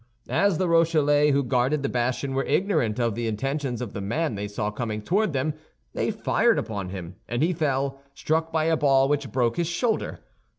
As the Rochellais who guarded the bastion were ignorant of the intentions of the man they saw coming toward them, they fired upon him, and he fell, struck by a ball which broke his shoulder.